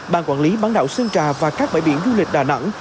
ban quản lý bán đảo sơn trà và các bãi biển du lịch đà nẵng